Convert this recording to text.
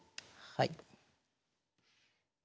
はい。